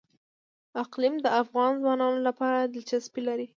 اقلیم د افغان ځوانانو لپاره دلچسپي لري.